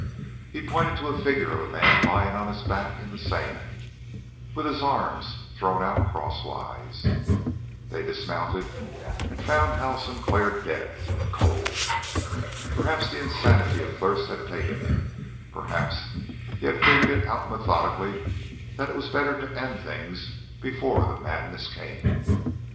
He pointed to a figure of a man lying on his back in the sand, with his arms thrown out crosswise. They dismounted and found Hal Sinclair dead and cold. Perhaps the insanity of thirst had taken him; perhaps he had figured it out methodically that it was better to end things before the madness came.